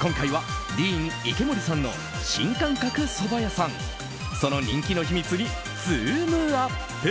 今回はＤＥＥＮ池森さんの新感覚そば屋さんその人気の秘密にズームＵＰ！